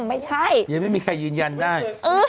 ไม่ใช่ยังไม่มีใครยืนยันได้